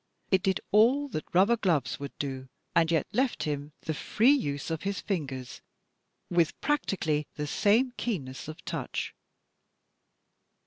It did all that rubber gloves would do, and yet left him the free use of his fingers with practically the same keenness of touch."